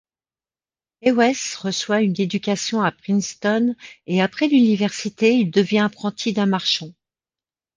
Hewes reçoit une éducation à Princeton et après l'université, il devient apprenti d'un marchand.